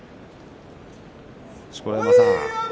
錣山さん